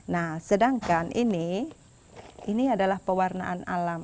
nah sedangkan ini ini adalah pewarnaan alam